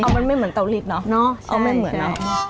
เอามันไม่เหมือนตาวรีดเนอะใช่เอาไม่เหมือนเนอะ